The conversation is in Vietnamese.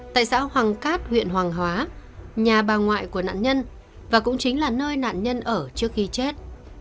tại xã hoàng cát huyện hoàng hóa nhà bà ngoại của nạn nhân và cũng chính là nơi nạn nhân ở trước khi chết